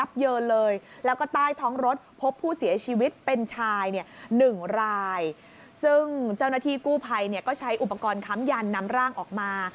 ซึ่งเจ้าหน้าที่กู้ภัยก็ใช้อุปกรณ์ค้ำยันนำร่างออกมา